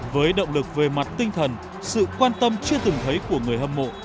với động lực về mặt tinh thần sự quan tâm chưa từng thấy của người hâm mộ